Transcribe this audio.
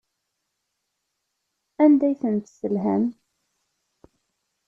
Anda ay ten-tesselham?